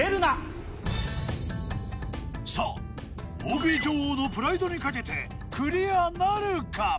さあ大食い女王のプライドに懸けてクリアなるか？